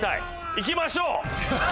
いきましょう！